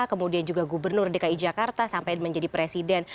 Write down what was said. kemudian juga gubernur dki jakarta sampai menjadi presiden